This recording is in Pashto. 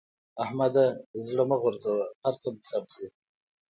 احمده! زړه مه غورځوه؛ هر څه به سم شي.